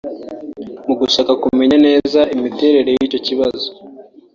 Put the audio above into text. Mu gushaka kumenya neza imiterere y’icyo kibazo